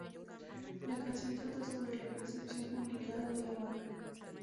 La canción trata sobre la percepción pública de la banda.